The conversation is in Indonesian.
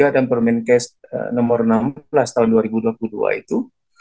dan permen kes nomor enam belas tahun dua ribu dua puluh dua itu